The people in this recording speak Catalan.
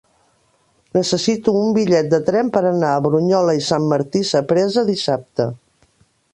Necessito un bitllet de tren per anar a Brunyola i Sant Martí Sapresa dissabte.